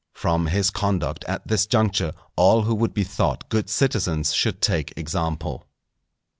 From his conduct at this juncture all who would be thought good citizens should take example.